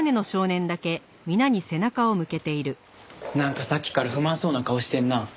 なんかさっきから不満そうな顔してるな。